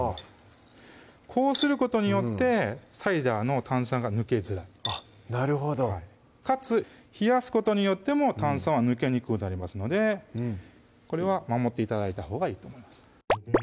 こうすることによってサイダーの炭酸が抜けづらいなるほどかつ冷やすことによっても炭酸は抜けにくくなりますのでこれは守って頂いたほうがいいと思います